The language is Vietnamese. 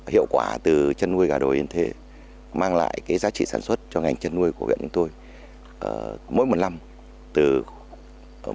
hiệu quả từ chăn nuôi gà đồi yên thế mang lại cái giá trị sản xuất cho ngành chăn nuôi của viện yên thế chúng tôi